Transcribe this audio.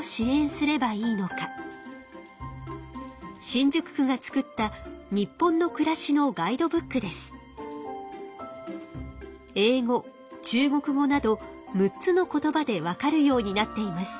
新宿区が作った日本のくらしの英語中国語など６つの言葉でわかるようになっています。